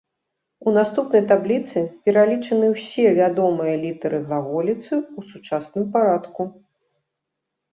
У наступнай табліцы пералічаны ўсе вядомыя літары глаголіцы ў сучасным парадку.